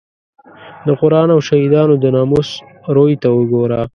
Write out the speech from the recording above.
د قران او شهیدانو د ناموس روی ته وګوره.